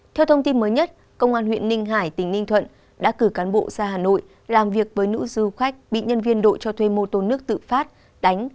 theo thông tin mới nhất công an huyện ninh hải tỉnh ninh thuận đã cử cán bộ ra hà nội làm việc với nữ du khách bị nhân viên đội cho thuê mô tô nước tự phát đánh